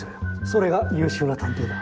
それが優秀な探偵だ。